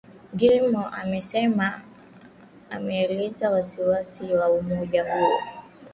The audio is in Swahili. Eamon Gilmore alisema ameelezea wasi-wasi wa umoja huo